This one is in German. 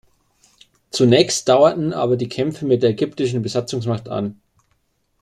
Zunächst dauerten aber die Kämpfe mit der ägyptischen Besatzungsmacht an.